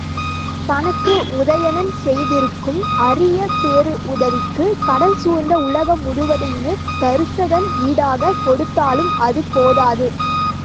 தனக்கு உதயணன் செய்திருக்கும் அரிய பேருதவிக்குக் கடல் சூழ்ந்த உலகம் முழுவதையுமே தருசகன் ஈடாகக் கொடுத்தாலும் அது போதாது.